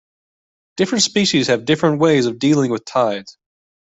Different species have different ways of dealing with tides.